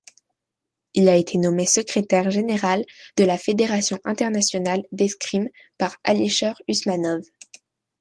Il a été nommé secrétaire général de la Fédération internationale d'escrime par Alisher Usmanov.